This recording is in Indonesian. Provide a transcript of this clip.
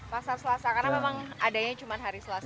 pasar selasa karena memang adanya cuma hari selasa